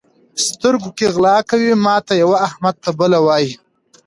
سترګو کې غلا کوي؛ ماته یوه، احمد ته بله وایي.